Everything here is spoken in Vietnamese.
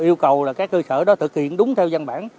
yêu cầu là các cơ sở đó thực hiện đúng theo văn bản